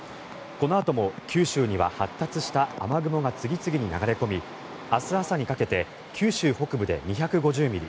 このあとも九州には発達した雨雲が次々に流れ込み明日朝にかけて九州北部で２５０ミリ